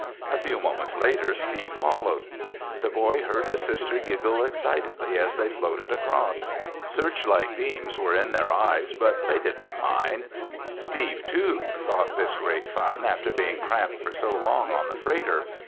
A few moments later, Steve followed. The boy heard his sister giggle excitedly as they floated across. Searchlight beams were in their eyes but they didn't mind. Steve, too, thought this great fun after being cramped for so long on the freighter.